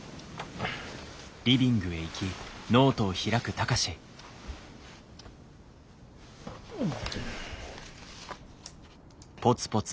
うん。